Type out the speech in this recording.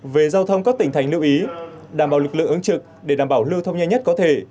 về giao thông các tỉnh thành lưu ý đảm bảo lực lượng ứng trực để đảm bảo lưu thông nhanh nhất có thể